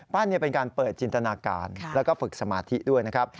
เป็นการเปิดจินตนาการแล้วก็ฝึกสมาธิด้วยนะครับ